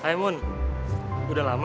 hai mun udah lama